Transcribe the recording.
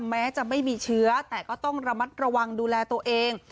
แม้จะไม่มีเชื้อแต่ก็ต้องระมัดระวังดูแลตัวเอง